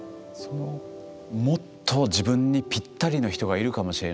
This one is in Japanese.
もっと自分にぴったりの人がいるかもしれない。